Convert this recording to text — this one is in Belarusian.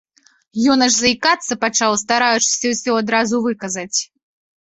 Ён аж заікацца пачаў, стараючыся ўсё адразу выказаць.